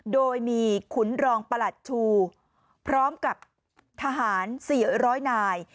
โดยมีขุนรองประหลัดชูพร้อมกับทหาร๔๐๐นาย